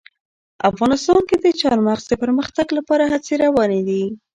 افغانستان کې د چار مغز د پرمختګ لپاره هڅې روانې دي.